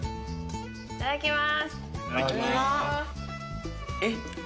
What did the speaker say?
いただきます。